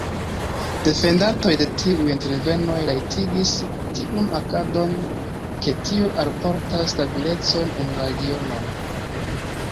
Defendantoj de tiuj intervenoj rajtigis tiun agadon, ke tio alportas stabilecon en la regionon.